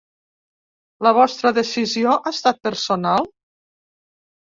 La vostra decisió ha estat personal?